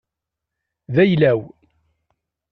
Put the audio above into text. D ayla-w.